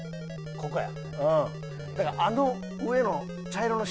ここや！